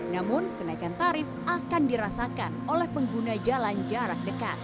namun kenaikan tarif akan dirasakan oleh pengguna jalan jarak dekat